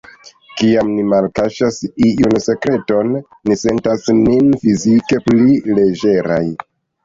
Kiam ni malkaŝas iun sekreton, ni sentas nin fizike pli leĝeraj.